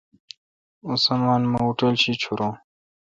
اوں سامان مہ اوٹل شی چھور۔